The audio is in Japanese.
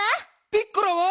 ピッコラは？